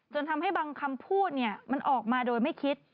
จนทำให้บางคำพูดมันออกมาโดยไม่คิด